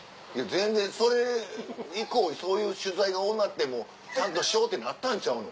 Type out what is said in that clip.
全然それ以降そういう取材が多なってもうちゃんとしようってなったんちゃうの？